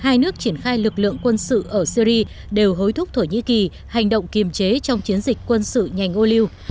hai nước triển khai lực lượng quân sự ở syri đều hối thúc thổ nhĩ kỳ hành động kiềm chế trong chiến dịch quân sự nhanh ô liu